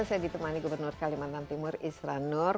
saya ditemani gubernur kalimantan timur isra nur